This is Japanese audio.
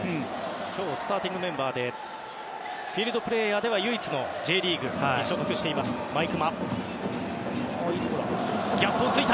今日スターティングメンバーでフィールドプレーヤーでは唯一Ｊリーグに所属している毎熊。